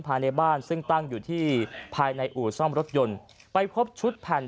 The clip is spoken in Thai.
ภายในบ้านซึ่งตั้งอยู่ที่ภายในอู่ซ่อมรถยนต์ไปพบชุดแผ่น